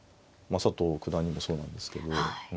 佐藤九段にもそうなんですけど。